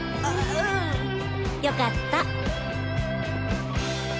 よかった。